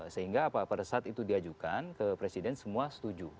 sehingga apa pada saat itu diajukan ke presiden semua setuju